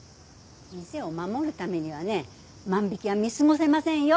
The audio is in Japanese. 店を守るためにはね万引は見過ごせませんよ。